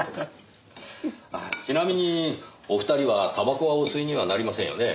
あっちなみにお二人はタバコはお吸いにはなりませんよね？